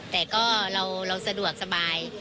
แต่ก็เราสะดวกสบาย